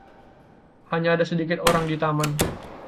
Hanya ada sedikit orang di taman.